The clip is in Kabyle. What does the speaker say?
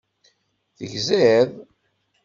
Tegziḍ?